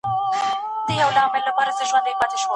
پلار نیکه یې د اسمان پهلوانان وه